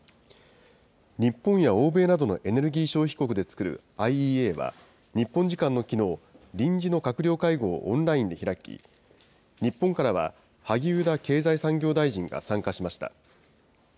日本や欧米などのエネルギー消費国で作るＩＥＡは、日本時間のきのう、臨時の閣僚会合をオンラインで開き、日本からは萩生田経済産業大臣が参加しました。